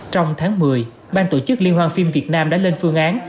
trong tháng một mươi bang tổ chức liên hoan phim việt nam đã lên phương án